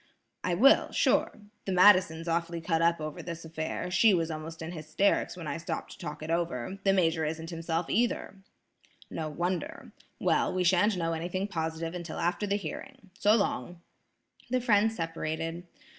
"I will, sure. The Madisons awfully cut up over this affair; she was almost in hysterics when I stopped in to talk it over. The Major isn't himself either." "No wonder. Well, we shan't know anything positive until after the hearing. So long." The friends separated.